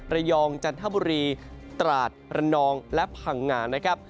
ระยองจันทบุรีตราศประนองและผังงานนะครับ